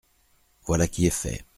Voilà qui est fait.